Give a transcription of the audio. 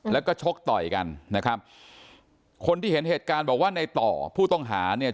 แล้วก็ชกต่อยกันนะครับคนที่เห็นเหตุการณ์บอกว่าในต่อผู้ต้องหาเนี่ย